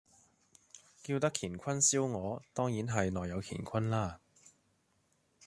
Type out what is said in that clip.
叫得乾坤燒鵝，當然係內有乾坤啦